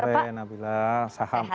selamat sore nabila sehat ya pak